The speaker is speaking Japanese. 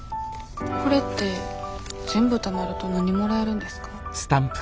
これって全部たまると何もらえるんですか？